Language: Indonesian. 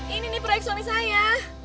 ini nih proyek suami saya